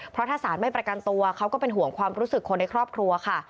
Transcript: เพราะถ้าสารไม่ประกันตัวเขาก็เป็นห่วงความรู้สึกคนในครอบครัวค่ะ